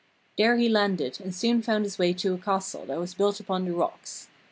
There he landed and soon found his way to a castle that was built upon the rocks.